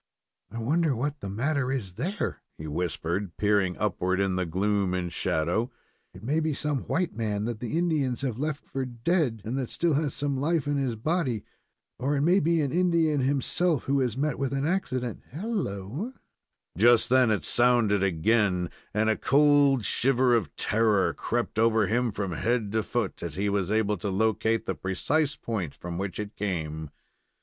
"I wonder what the matter is there?" he whispered, peering upward in the gloom and shadow. "It may be some white man that the Indians have left for dead, and that still has some life in his body, or it may be an Indian himself who has met with an accident helloa!" Just then it sounded again, and a cold shiver of terror crept over him from head to foot, as he was able to locate the precise point from which it came.